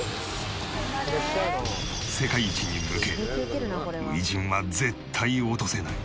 世界一に向け初陣は絶対落とせない。